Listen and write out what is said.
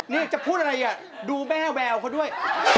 นี่จะพูดอะไรอ่ะดูแม่แววเขาด้วย